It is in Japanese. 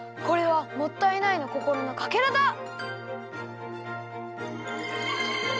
これは「もったいない」のこころのかけらだ！